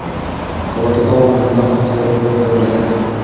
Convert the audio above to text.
که الوتکه وغورځي نو هر څه به پای ته ورسېږي.